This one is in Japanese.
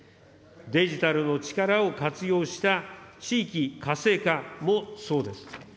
デジタルの力を活用した地域活性化もそうです。